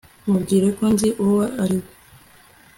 Mubwire ko nzi uwo ari we